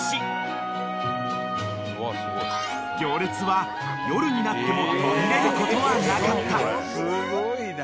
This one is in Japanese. ［行列は夜になっても途切れることはなかった］